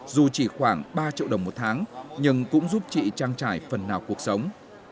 dù chỉ khoảng ba triệu đồng một tháng nhưng cũng giúp chị trang trải phần nào cuộc sống